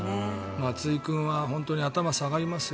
松井君は本当に頭が下がりますよ。